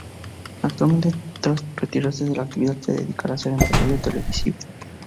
Actualmente tras retirarse de la actividad se dedicará a ser empresario televisivo.